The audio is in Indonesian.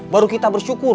baru kita bersyukur